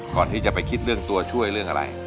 ก่อนที่จะไปคิดเรื่องตัวช่วยเรื่องอะไร